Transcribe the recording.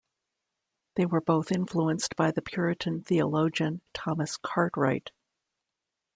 They were both influenced by the Puritan theologian Thomas Cartwright.